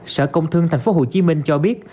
sở công thương tp hcm cho biết